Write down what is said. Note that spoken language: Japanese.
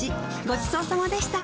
ごちそうさまでした